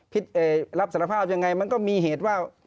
รับสารภาพยังไงมันก็มีเหตุว่า